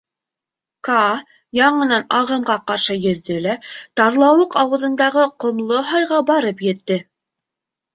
Каа яңынан ағымға ҡаршы йөҙҙө лә тарлауыҡ ауыҙындағы ҡомло һайға барып етте.